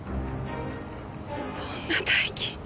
そんな大金。